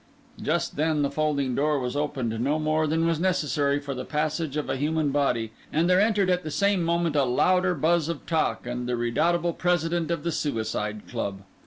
Just then the folding door was opened no more than was necessary for the passage of a human body; and there entered at the same moment a louder buzz of talk, and the redoubtable President of the Suicide Club.